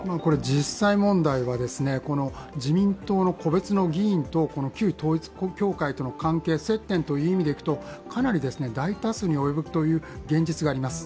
実際問題は自民党の個別の議員と旧統一教会との関係、接点という意味でいくと、かなり大多数に及ぶという現実があります